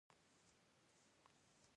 چې د مولويانو په شان يې سپين دستار تړلى و.